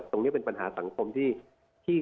ตรงนี้เป็นปัญหาสังคมที่